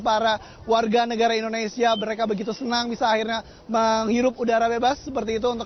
para warga negara indonesia mereka begitu senang bisa akhirnya menghirup udara bebas seperti itu untuk